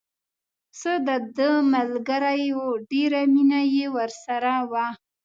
پسه دده ملګری و ډېره مینه یې ورسره وه.